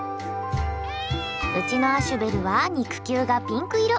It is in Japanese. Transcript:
うちのアシュベルは肉球がピンク色！